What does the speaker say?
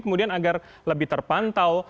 kemudian agar lebih terpantau